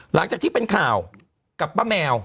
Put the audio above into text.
หลังจากที่เป็นข่าวกับป้าแมว